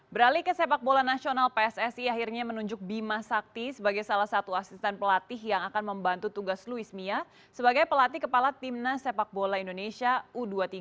beralih ke sepak bola nasional pssi akhirnya menunjuk bima sakti sebagai salah satu asisten pelatih yang akan membantu tugas louis mia sebagai pelatih kepala timnas sepak bola indonesia u dua puluh tiga